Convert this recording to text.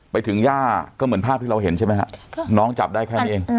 ไปถึงย่าก็เหมือนภาพที่เราเห็นใช่ไหมฮะน้องจับได้แค่นี้เอง